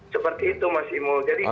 seperti itu mas imul